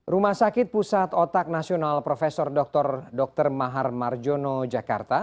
rumah sakit pusat otak nasional prof dr dr mahar marjono jakarta